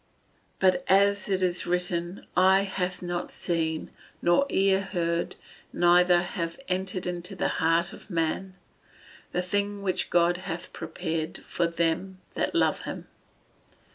[Verse: "But as it is written, Eye hath not seen, nor ear heard, neither have entered into the heart of man, the things which God hath prepared for them that love him."